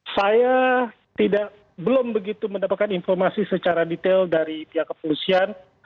saya belum begitu mendapatkan informasi secara detail dari pihak kepolisian